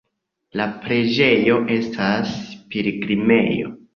La preĝejo estas pilgrimejo.